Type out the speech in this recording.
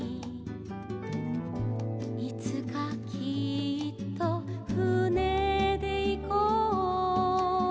「いつかきっとふねでいこう」